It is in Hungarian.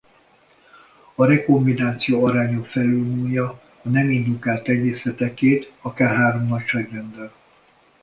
A rekombináció aránya felülmúlja a nem indukált tenyészetekét akár három nagyságrenddel.